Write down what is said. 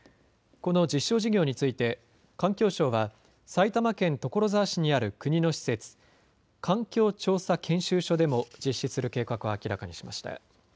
この実証事業について環境省は埼玉県所沢市にある国の施設、環境調査研修所でも実施する計画を明らかにしました。